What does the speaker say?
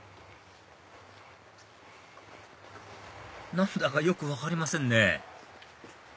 何だかよく分かりませんね